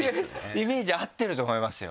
イメージ合ってると思いますよ。